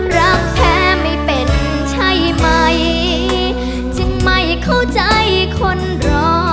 รักแท้ไม่เป็นใช่ไหมจึงไม่เข้าใจคนรอ